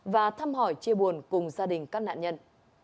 và thăm hỏi chia buồn cùng gia đình các nạn nhân